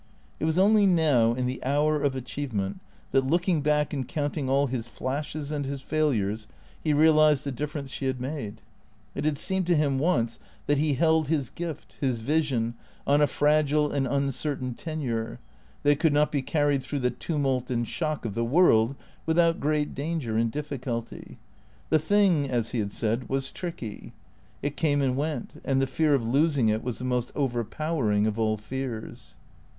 It was only now, in the hour of achievement, that, looking back and counting all his flashes and his failures, he realized the difference she had made. It had seemed to him once that he held his gift, his vision, on a fragile and uncertain tenure, that it could not be carried through the tumult and shock of the world without great danger and difficulty. The thing, as he had said, was tricky ; it came and went ; and the fear of losing it was the most overpowering of all fears.